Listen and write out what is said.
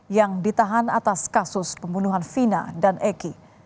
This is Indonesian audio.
yang ditahan atas kasus pembunuhan vina dan egy